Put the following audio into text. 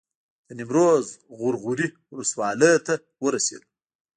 د نیمروز غور غوري ولسوالۍ ته ورسېدو.